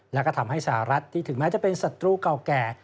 แล้วก็ทำให้สหรัฐที่ถึงแม้จะเป็นศัตรูเก่าแก่